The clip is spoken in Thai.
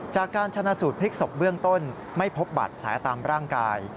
จากการชนะสูตรพลิกศพเบื้องต้นไม่พบบาดแผลตามร่างกาย